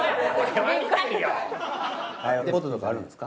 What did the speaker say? やりたいこととかあるんですか？